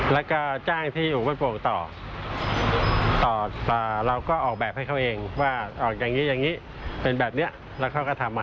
แล้วก็จ้างที่อยู่บ้านโป่งต่อและเราก็ออกแบบให้เขาเองว่าออกแบบนี้แล้วเขาก็ทำมาให้